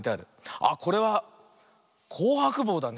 あっこれは「こうはくぼう」だね。